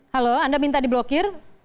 halo anda minta diblokir